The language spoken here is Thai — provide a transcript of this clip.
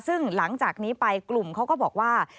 ซึ่งหลังจากนี้ไปกลุ่มเขาก็บอกว่า